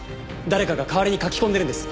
誰かが代わりに書き込んでるんです。